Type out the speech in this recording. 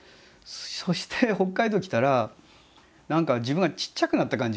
そして北海道へ来たら何か自分がちっちゃくなった感じがして。